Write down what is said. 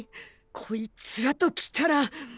こいつらときたら。